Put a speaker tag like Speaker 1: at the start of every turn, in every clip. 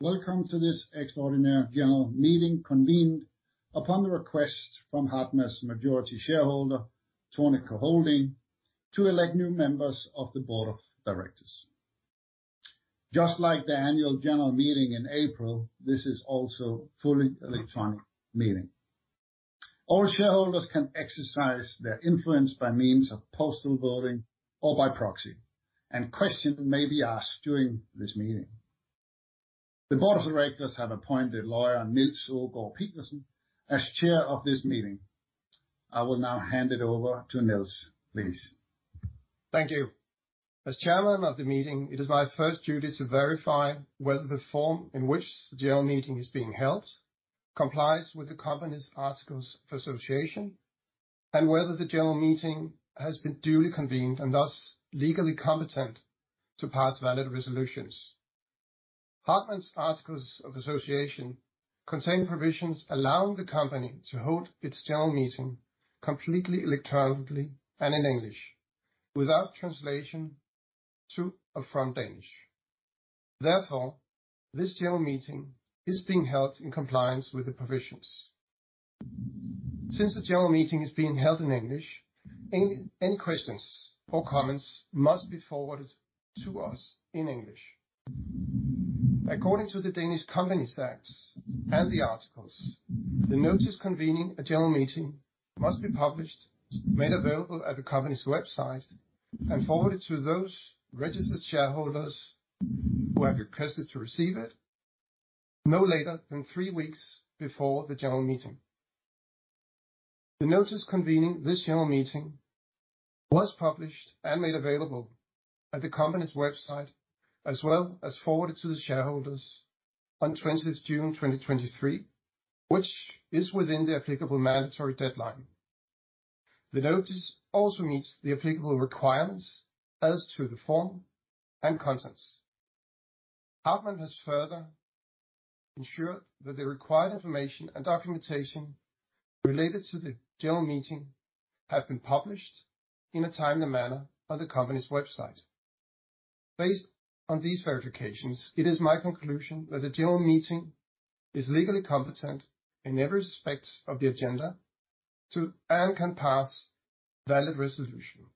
Speaker 1: Welcome to this extraordinary general meeting, convened upon the request from Hartmann's majority shareholder, Thornico Holding A/S, to elect new members of the Board of Directors. Just like the annual general meeting in April, this is also fully electronic meeting. All shareholders can exercise their influence by means of postal voting or by proxy, and questions may be asked during this meeting. The Board of Directors have appointed lawyer Niels Aagaard Pedersen as chair of this meeting. I will now hand it over to Niels, please.
Speaker 2: Thank you. As Chairman of the meeting, it is my first duty to verify whether the form in which the general meeting is being held complies with the company's articles of association, and whether the general meeting has been duly convened and thus legally competent to pass valid resolutions. Hartmann's articles of association contain provisions allowing the company to hold its general meeting completely electronically and in English, without translation to or from Danish. Therefore, this general meeting is being held in compliance with the provisions. Since the general meeting is being held in English, any questions or comments must be forwarded to us in English. According to the Danish Companies Act and the articles, the notice convening a general meeting must be published, made available at the company's website, and forwarded to those registered shareholders who have requested to receive it no later than three weeks before the general meeting. The notice convening this general meeting was published and made available at the company's website, as well as forwarded to the shareholders on 20th June, 2023, which is within the applicable mandatory deadline. Hartmann has further ensured that the required information and documentation related to the general meeting have been published in a timely manner on the company's website. Based on these verifications, it is my conclusion that the general meeting is legally competent in every respect of the agenda and can pass valid resolution.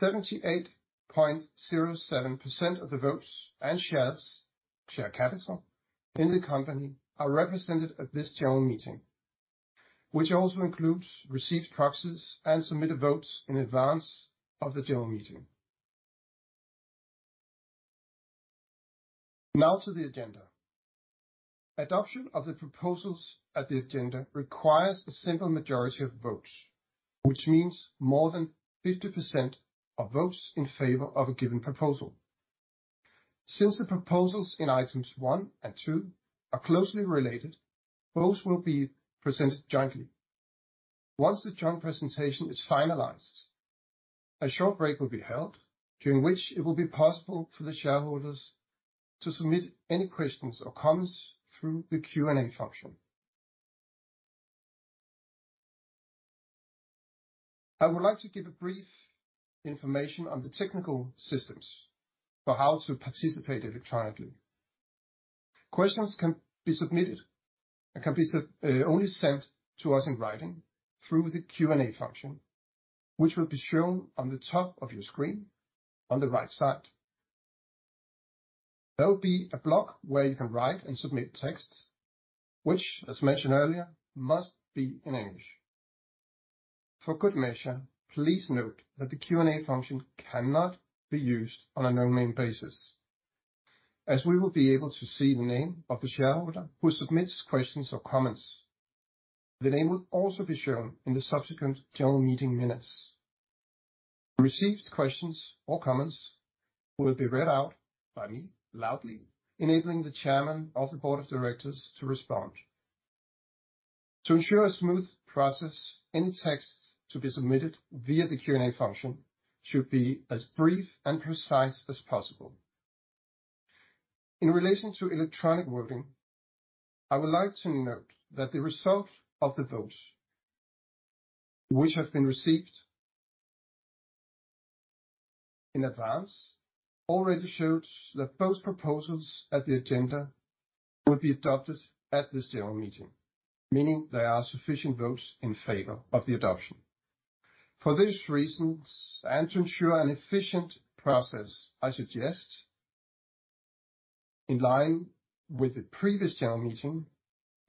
Speaker 2: 78.07% of the votes and shares, share capital in the company are represented at this general meeting, which also includes received proxies and submitted votes in advance of the general meeting. Now to the agenda. Adoption of the proposals at the agenda requires a simple majority of votes, which means more than 50% of votes in favor of a given proposal. Since the proposals in items one and two are closely related, both will be presented jointly. Once the joint presentation is finalized, a short break will be held, during which it will be possible for the shareholders to submit any questions or comments through the Q&A function. I would like to give a brief information on the technical systems for how to participate electronically. Questions can be submitted and can be only sent to us in writing through the Q&A function, which will be shown on the top of your screen on the right side. There will be a block where you can write and submit text, which, as mentioned earlier, must be in English. For good measure, please note that the Q&A function cannot be used on an anonymous basis, as we will be able to see the name of the shareholder who submits questions or comments. The name will also be shown in the subsequent general meeting minutes. The received questions or comments will be read out by me loudly, enabling the Chairman of the Board of Directors to respond. To ensure a smooth process, any texts to be submitted via the Q&A function should be as brief and precise as possible. In relation to electronic voting, I would like to note that the result of the votes, which have been received in advance, already shows that both proposals at the agenda will be adopted at this general meeting, meaning there are sufficient votes in favor of the adoption. For these reasons, to ensure an efficient process, I suggest, in line with the previous general meeting,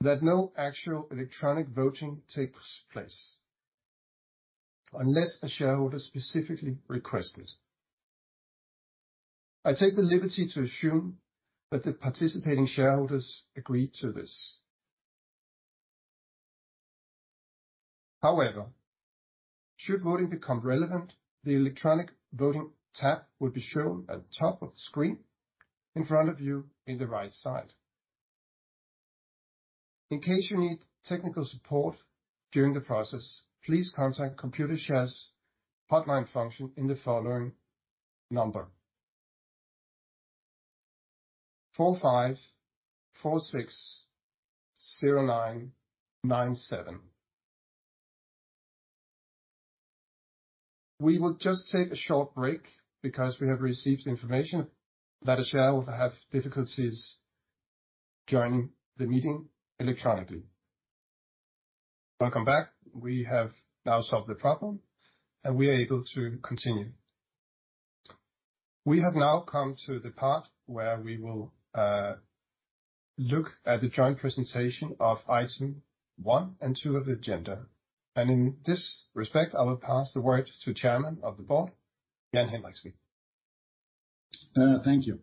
Speaker 2: that no actual electronic voting takes place unless a shareholder specifically request it. I take the liberty to assume that the participating shareholders agree to this. However, should voting become relevant, the electronic voting tab will be shown at the top of the screen in front of you in the right side. In case you need technical support during the process, please contact Computershare's hotline function in the following number: 45460997. We will just take a short break, because we have received information that a shareholder have difficulties joining the meeting electronically. Welcome back. We have now solved the problem, and we are able to continue. We have now come to the part where we will look at the joint presentation of item one and two of the agenda, and in this respect, I will pass the word to Chairman of the Board, Jan Henriksen.
Speaker 1: Thank you.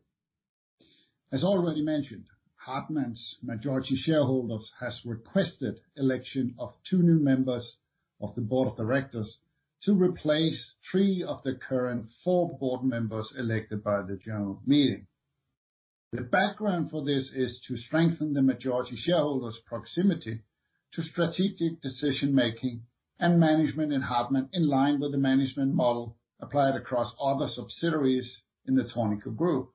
Speaker 1: As already mentioned, Hartmann's majority shareholders has requested election of two new members of the Board of Directors to replace three of the current four Board members elected by the general meeting. The background for this is to strengthen the majority shareholders' proximity to strategic decision-making and management in Hartmann, in line with the management model applied across other subsidiaries in the Thornico group.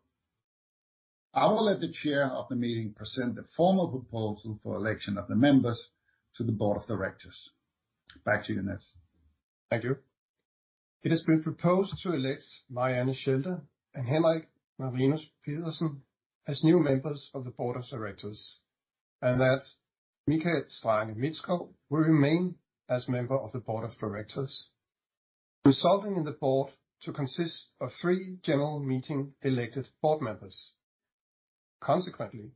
Speaker 1: I will let the chair of the meeting present the formal proposal for election of the members to the Board of Directors. Back to you, Niels.
Speaker 2: Thank you. It has been proposed to elect Marianne Schelde and Henrik Marinus Pedersen as new members of the Board of Directors, and that Michael Strange Midskov will remain as member of the Board of Directors, resulting in the board to consist of three general meeting elected Board members. Consequently,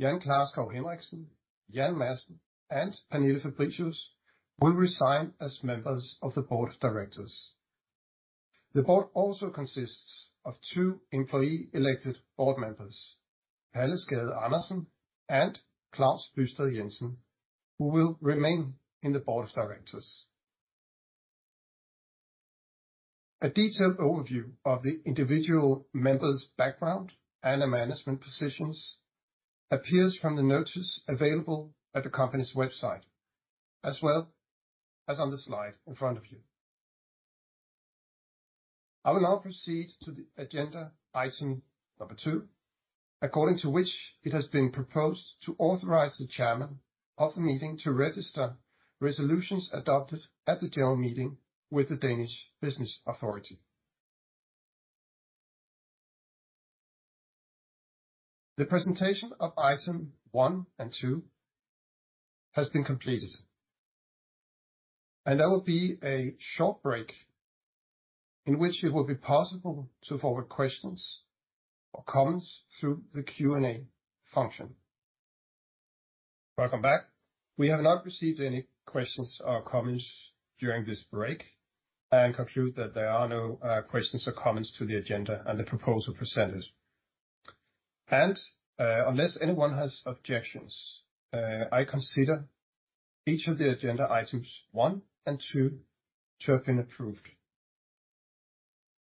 Speaker 2: Jan Klarskov Henriksen, Jan Madsen, and Pernille Fabricius will resign as members of the Board of Directors. The Board also consists of two employee-elected Board members, Palle Skade Andersen and Klaus Bysted Jensen, who will remain in the Board of Directors. A detailed overview of the individual members' background and their management positions appears from the notice available at the company's website, as well as on the slide in front of you. I will now proceed to the agenda, item number two, according to which it has been proposed to authorize the Chairman of the meeting to register resolutions adopted at the general meeting with the Danish Business Authority. The presentation of item one and two has been completed. There will be a short break in which it will be possible to forward questions or comments through the Q&A function. Welcome back. We have not received any questions or comments during this break, conclude that there are no questions or comments to the agenda and the proposal presented. Unless anyone has objections, I consider each of the agenda items one and two to have been approved.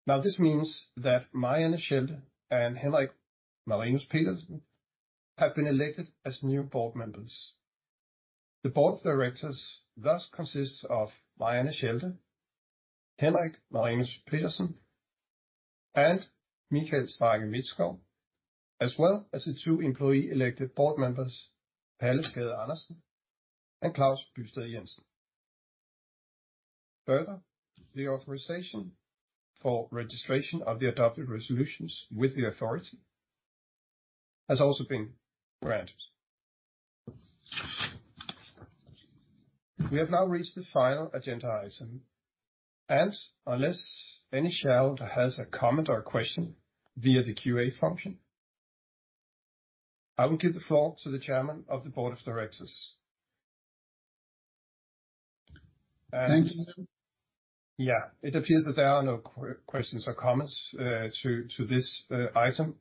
Speaker 2: This means that Marianne Schelde and Henrik Marinus Pedersen have been elected as new Board members. The Board of Directors thus consists of Marianne Schelde, Henrik Marinus Pedersen, and Michael Strange Midskov, as well as the two employee-elected Board members, Palle Skade Andersen and Klaus Bysted Jensen. The authorization for registration of the adopted resolutions with the authority has also been granted. We have now reached the final agenda item, unless any shareholder has a comment or a question via the Q&A function, I will give the floor to the Chairman of the Board of Directors.
Speaker 1: Thanks.
Speaker 2: Yeah, it appears that there are no questions or comments, to this item,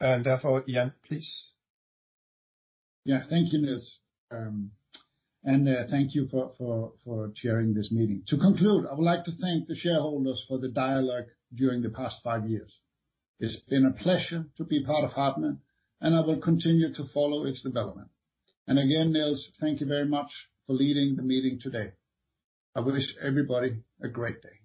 Speaker 2: therefore, Jan, please.
Speaker 1: Yeah. Thank you, Niels. Thank you for chairing this meeting. To conclude, I would like to thank the shareholders for the dialogue during the past five years. It's been a pleasure to be part of Hartmann, and I will continue to follow its development. Again, Niels, thank you very much for leading the meeting today. I wish everybody a great day.